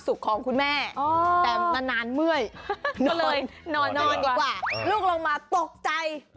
ลูกลงมาตกใจ